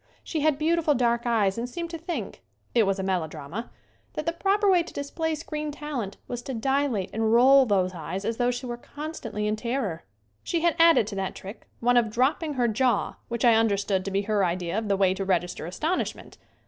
She had beautiful dark eyes and seemed to think it was a melodrama that the proper way to display screen talent was to dilate and roll those eyes as though she were constantly in terror. She had added to that trick one of dropping her jaw which I understood to be her idea of the way to register astonishment.